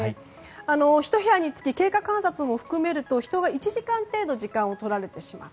１部屋につき経過観察も含めると人が１時間程度とられてしまう。